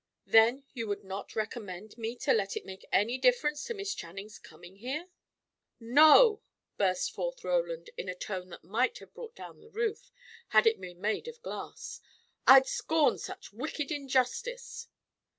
Then you would not recommend me to let it make any difference to Miss Channing's coming here?" "No!" burst forth Roland, in a tone that might have brought down the roof, had it been made of glass. "I'd scorn such wicked injustice."